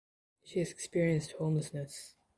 She has experienced homelessness.